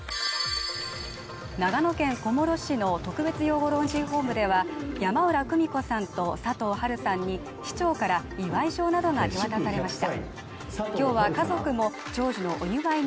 長野県小諸市の特別養護老人ホームでは山浦久美子さんと佐藤はるさんに市長から祝い状などが手渡されました